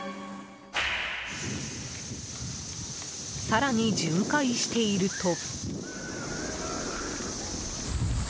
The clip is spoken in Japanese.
更に、巡回していると。